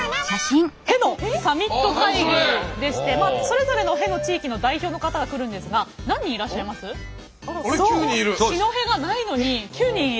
「戸」のサミット会議でしてそれぞれの戸の地域の代表の方が来るんですが四戸がないのに９人いる。